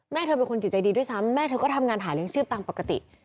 เธอเป็นคนจิตใจดีด้วยซ้ำแม่เธอก็ทำงานหาเลี้ยงชีพตามปกติ